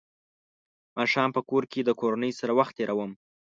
ماښام په کور کې د کورنۍ سره وخت تېروم.